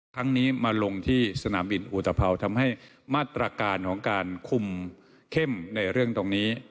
ครั้งนี้มาลงที่สนามบินอุตภัวร์ทำให้มาตรการของการคุมเข้มในเรื่องตรงนี้